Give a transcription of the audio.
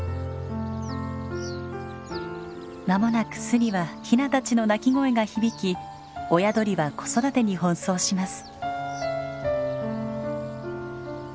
間もなく巣にはヒナたちの鳴き声が響き親鳥は子育てに奔走します。